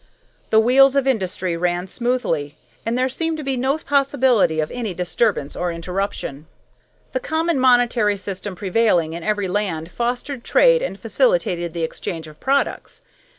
The wheels of industry ran smoothly, and there seemed to be no possibility of any disturbance or interruption. The common monetary system prevailing in every land fostered trade and facilitated the exchange of products.